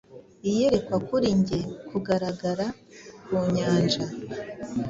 Iyerekwa kuri njye Kugaragara ku nyanja.